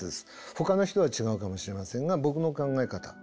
ほかの人は違うかもしれませんが僕の考え方。